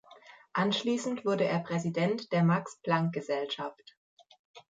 Anschließend wurde er Präsident der Max-Planck-Gesellschaft.